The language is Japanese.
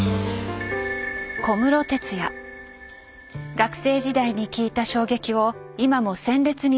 学生時代に聴いた衝撃を今も鮮烈に覚えています。